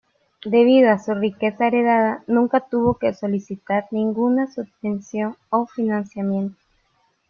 Debido a su riqueza heredada, nunca tuvo que solicitar ninguna subvención o financiamiento.